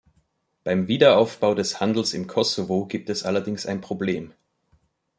Beim Wiederaufbau des Handels im Kosovo gibt es allerdings ein Problem.